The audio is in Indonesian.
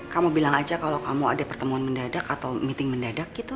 kamu bilang aja kalau kamu ada pertemuan mendadak atau meeting mendadak gitu